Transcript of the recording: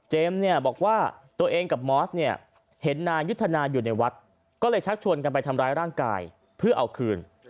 เนี่ยบอกว่าตัวเองกับมอสเนี่ยเห็นนายุทธนาอยู่ในวัดก็เลยชักชวนกันไปทำร้ายร่างกายเพื่อเอาคืน